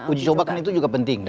uji coba kan itu juga penting